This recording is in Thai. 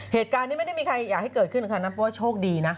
เหตุการณ์นี้ไม่ได้มีใครอยากให้เกิดขึ้นค่ะนับว่าโชคดีนะ